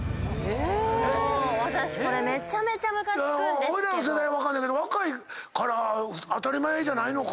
おいらの世代は分かんねんけど若いから当たり前じゃないのか。